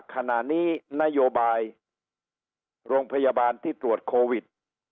ขณะนี้นโยบายโรงพยาบาลที่ตรวจโควิด